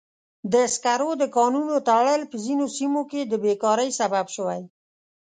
د سکرو د کانونو تړل په ځینو سیمو کې د بیکارۍ سبب شوی.